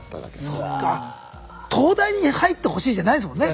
そうか東大に入ってほしいじゃないですもんね